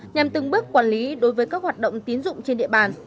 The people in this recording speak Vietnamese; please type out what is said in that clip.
nhằm từng bước quản lý đối với các hoạt động tiến dụng trên địa bàn